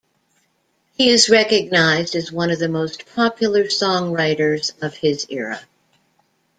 He is recognized as one of the most popular songwriters of his era.